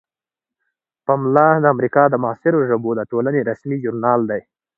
پملا د امریکا د معاصرو ژبو د ټولنې رسمي ژورنال دی.